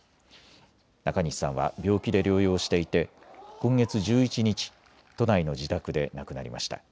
中西さんは病気で療養していて今月１１日、都内の自宅で亡くなりました。